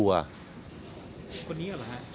คนนี้หรอครับ